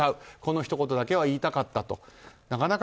このひと言だけは言いたかったと。